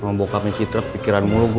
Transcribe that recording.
sama bokapnya citrek pikiran mulu gue